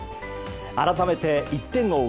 改めて、１点を追う